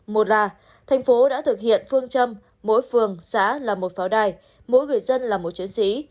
một là thành phố đã thực hiện phương châm mỗi phường xã là một pháo đài mỗi người dân là một chiến sĩ